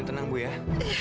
iya terima kasih